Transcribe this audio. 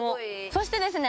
そしてですね